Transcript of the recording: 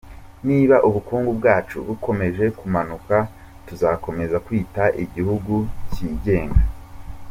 Niba ubukungu bwacu bukomeje kumanuka, tuzakomeza kwita igihugu kigenga ?